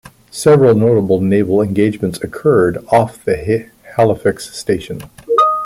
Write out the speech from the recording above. Several notable naval engagements occurred off the Halifax station.